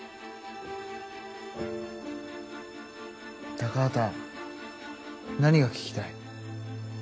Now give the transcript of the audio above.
高畑何が聞きたい？